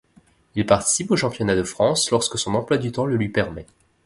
Il participe au championnat de France lorsque son emploi du temps le lui permet.